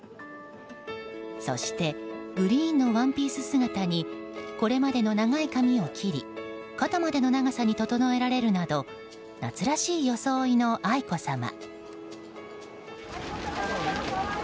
そしてグリーンのワンピース姿にこれまでの長い髪の毛を切り肩までの長さに整えられるなど夏らしい装いの愛子さま。